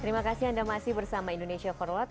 terima kasih anda masih bersama indonesia for lot